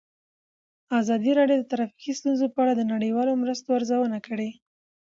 ازادي راډیو د ټرافیکي ستونزې په اړه د نړیوالو مرستو ارزونه کړې.